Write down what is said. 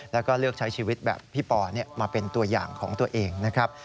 แล้วก็เลือกใช้ชีวิตแบบพี่ปอมาเป็นตัวอย่างของตัวเองนะครับ